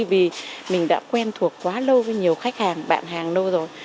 vì mình đã quen thuộc quá lâu với nhiều khách hàng bạn hàng nô rồi